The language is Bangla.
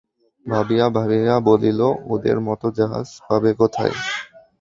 ভাবিয়া ভাবিয়া বলিল, ওদের মতো জাহাজ পাবে কোথায়?